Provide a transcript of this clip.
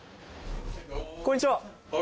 こんにちは。